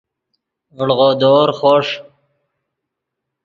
ڤڑغودور خوݰ